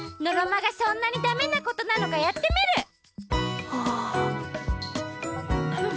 のろまがそんなにだめなことなのかやってみる！